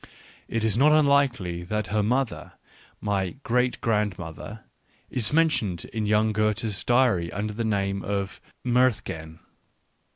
It is not unlikely that her mother, my great grand mother, is mentioned in young Goethe's diary under the name of " Muthgen."